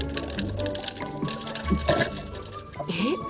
えっ！